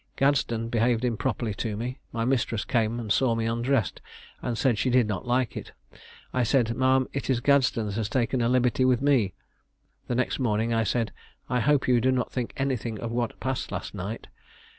Gadsden behaved improperly to me; my mistress came and saw me undressed; she said she did not like it; I said 'Ma'am, it is Gadsden that has taken a liberty with me.' The next morning I said, 'I hope you do not think anything of what passed last night.'